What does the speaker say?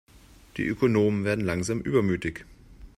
Die Ökonomen werden langsam übermütig.